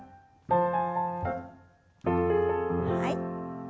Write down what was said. はい。